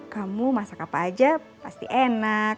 kamu masak apa aja pasti enak